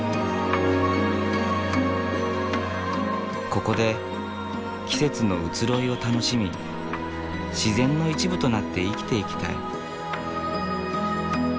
ここで季節の移ろいを楽しみ自然の一部となって生きていきたい。